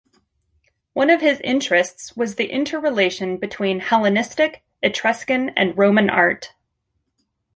One of his interests was the interrelation between Hellenistic, Etruscan and Roman art.